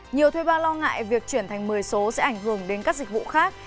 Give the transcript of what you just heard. nhiều thuê bao lo ngại việc chuyển thành một mươi số sẽ ảnh hưởng đến các dịch vụ khác